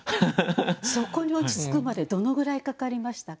そこに落ち着くまでどのぐらいかかりましたか？